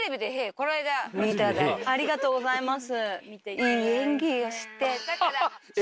ありがとうございます。